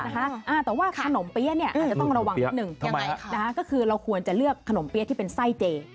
แต่ว่าขนมเปี๊ยะเนี่ยอาจจะต้องระวังนิดนึงยังไงก็คือเราควรจะเลือกขนมเปี๊ยะที่เป็นไส้เจ